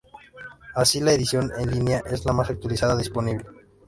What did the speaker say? Así, la edición en línea es la más actualizada disponible.